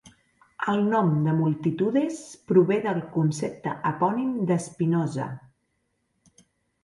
El nom de "Multitudes" prové del concepte epònim de Spinoza.